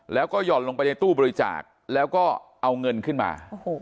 แล้วก็ห่อนลงไปในตู้บริจาคแล้วก็เอาเงินขึ้นมา